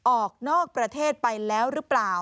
ออกนอกประเทศไปแล้วหรือเปล่า